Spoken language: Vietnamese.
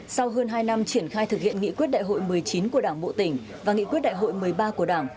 sau hơn hai năm triển khai thực hiện nghị quyết đại hội một mươi chín của đảng bộ tỉnh và nghị quyết đại hội một mươi ba của đảng